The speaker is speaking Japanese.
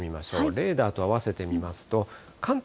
レーダーと合わせて見てみますと、関東